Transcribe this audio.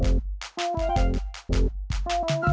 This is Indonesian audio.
kok mama desis desis kayak ular